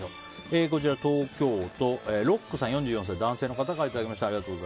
東京都、４４歳の男性の方からいただきました。